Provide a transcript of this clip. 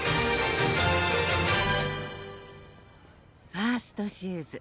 ファーストシューズ